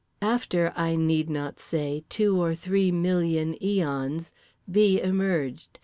After (I need not say) two or three million aeons, B. emerged.